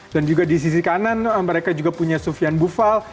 dan juga di sisi kanan mereka juga punya sofian bouffal